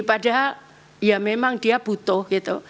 padahal ya memang dia butuh gitu